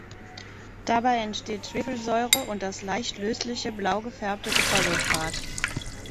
Dabei entsteht Schwefelsäure und das leicht lösliche, blau gefärbte Kupfersulfat.